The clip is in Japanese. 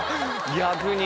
逆に。